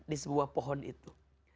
di sebuah pohon itu